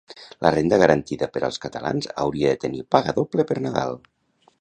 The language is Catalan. La renda garantida per als catalans hauria de tenir paga doble per Nadal